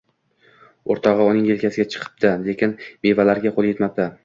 Oʻrtogʻi uning yelkasiga chiqibdi, lekin mevalarga qoʻli yetmabdi